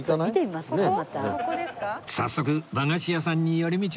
早速和菓子屋さんに寄り道ですか？